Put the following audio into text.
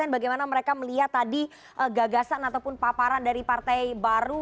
bagaimana mereka melihat tadi gagasan ataupun paparan dari partai baru